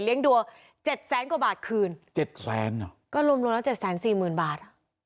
เลี้ยงดัว๗๐๐กว่าบาทคืน๗๐๐อ๋อก็รวมรวมแล้ว๗๔๐บาท